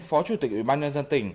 phó chủ tịch ủy ban nhân dân tỉnh